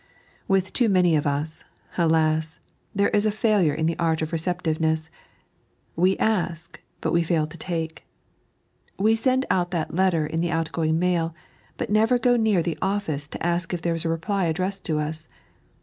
With too many of us, alas ! there is a failure in the art of receptivenesB. We ask, but we fail to take. We send out our letter in the outgoing mail, but never go near the office to ask if there is a reply addressed to us.